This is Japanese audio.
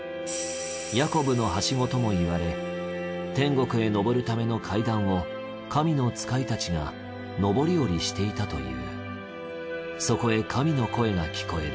ヤコブの梯子ともいわれ天国へ昇るための階段を神の使いたちが昇り降りしていたという。